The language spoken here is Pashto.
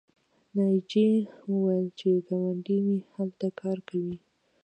ناجیې وویل چې ګاونډۍ مې هلته کار کوي